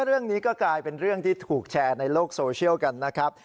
เรื่องนี้ก็กลายเป็นเรื่องที่ถูกแชร์ในโลกโซเชียลกันนะครับ